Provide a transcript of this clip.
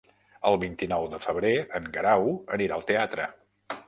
El vint-i-nou de febrer en Guerau anirà al teatre.